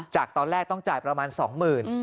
จากตอนแรกต้องจ่ายประมาณ๒๐๐๐บาท